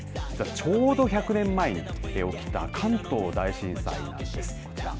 ちょうど１００年前に起きた関東大震災なんです。